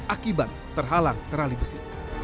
akibat terhalang terali besi